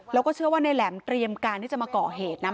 แล้วก็เชื่อว่าในแหลมเตรียมการที่จะมาก่อเหตุนะ